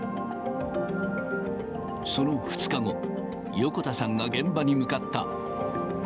その２日後、横田さんが現場に向かった。